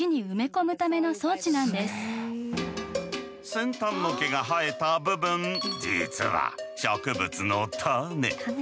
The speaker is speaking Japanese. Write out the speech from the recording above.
先端の毛が生えた部分実は植物の種。